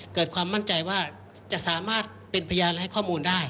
ความมั่นใจว่าจะสามารถเป็นพยานและให้ข้อมูลได้